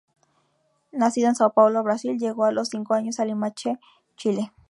Nacido en São Paulo, Brasil, llegó a los cinco años a Limache, Chile.